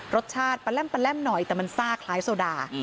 รสชาติแร่มหน่อยแต่มันซ่าคล้ายโซดา